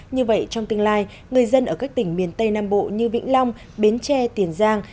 như vậy trong tương lai người dân ở các tỉnh miền tây nam bộ như vĩnh long bến tre tiền giang